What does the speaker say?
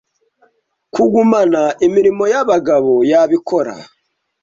kugumana imirimo yabagabo yabikora